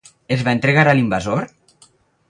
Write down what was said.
Es va entregar a l'invasor?